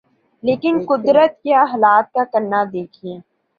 لیکن قدرت یا حالات کا کرنا دیکھیے۔